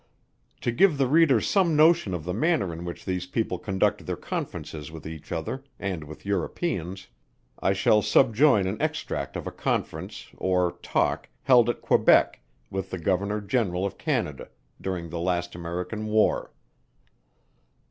To give the reader some notion of the manner in which these people conduct their conferences with each other, and with Europeans, I shall subjoin an extract of a conference, or talk, held at Quebec, with the Governor General of Canada, during the last American War.